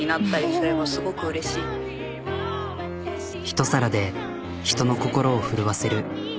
一皿で人の心を震わせる。